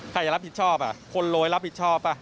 ใครจะรับผิดชอบคนรวยรับผิดชอบป่ะ